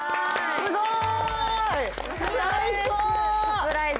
すっごい！